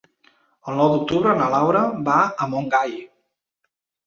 El nou d'octubre na Laura va a Montgai.